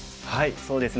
そうですね。